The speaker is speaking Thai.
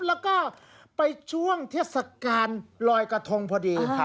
แล้วก็ไปช่วงเทศกาลลอยกระทงพอดี